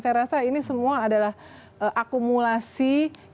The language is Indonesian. saya rasa ini semua adalah akumulasi yang membuat